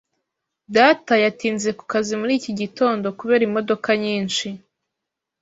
Data yatinze ku kazi muri iki gitondo kubera imodoka nyinshi.